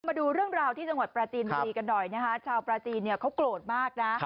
มาดูเรื่องราวที่จังหวัดปราจีนบุรีกันหน่อยนะคะชาวปราจีนเนี่ยเขาโกรธมากนะ